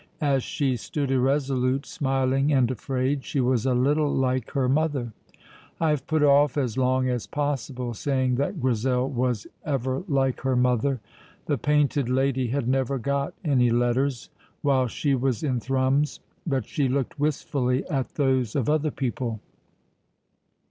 As she stood irresolute, smiling, and afraid, she was a little like her mother. I have put off as long as possible saying that Grizel was ever like her mother. The Painted Lady had never got any letters while she was in Thrums, but she looked wistfully at those of other people.